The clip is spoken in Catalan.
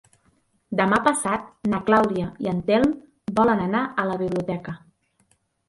Demà passat na Clàudia i en Telm volen anar a la biblioteca.